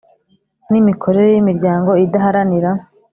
N imikorere y imiryango idaharanira